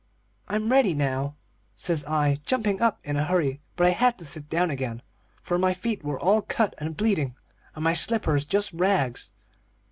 "'I'm ready now,' says I, jumping up in a hurry. But I had to sit down again, for my feet were all cut and bleeding, and my slippers just rags.